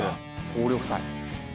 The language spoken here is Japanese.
「総力祭」。